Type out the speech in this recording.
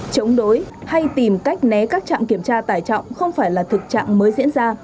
chống đối hay tìm cách né các trạm kiểm tra tải trọng không phải là thực trạng mới diễn ra